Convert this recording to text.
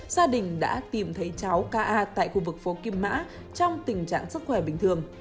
gia đình đã tìm thấy cháu k a tại khu vực phố kim mã trong tình trạng sức khỏe bình thường